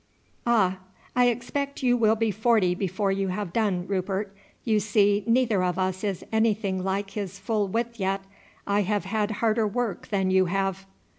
"Ah! I expect you will be forty before you have done, Rupert; you see neither of us is anything like his full width yet. I have had harder work than you have."